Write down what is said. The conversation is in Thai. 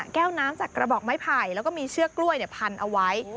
แก้วน้ำจากกระบอกไม้ไผ่แล้วก็มีเชือกกล้วยพันเอาไว้